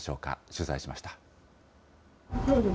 取材しました。